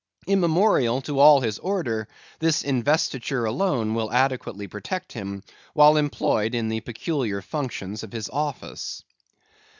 Immemorial to all his order, this investiture alone will adequately protect him, while employed in the peculiar functions of his office.